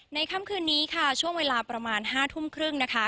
ค่ำคืนนี้ค่ะช่วงเวลาประมาณ๕ทุ่มครึ่งนะคะ